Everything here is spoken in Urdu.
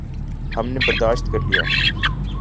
ہم نے برداشت کر لیا۔